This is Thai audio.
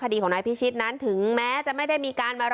คดีของนายพิชิตนั้นถึงแม้จะไม่ได้มีการมารอ